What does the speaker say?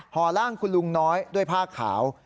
ห่อร่างคุณลุงน้อยด้วยผ้าขาว